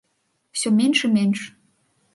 Усё менш і менш.